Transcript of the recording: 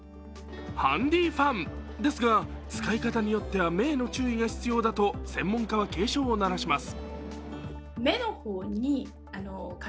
ハンディファンですが、使い方によっては目への注意が必要だと専門家は警鐘を鳴らします。